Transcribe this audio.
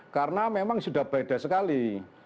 karena memang sudah beda sekali